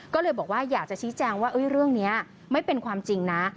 ก็เลยบอกว่าอยากจะชี้แจงว่าเรื่องนี้ไม่เป็นความจริงนะ